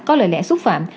có lời lẽ xúc phạm